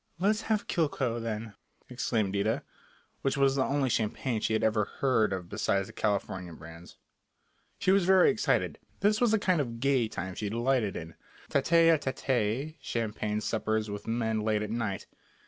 "Let's have Cliquot, then," exclaimed Ida, which was the only champagne she had ever heard of besides the California brands. She was very excited. This was the kind of "gay" time she delighted in, tête à tête champagne suppers with men late at night.